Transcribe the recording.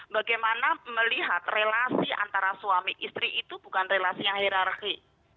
bagaimana melihat relasi antara suami istri itu bukan relasi yang hierarki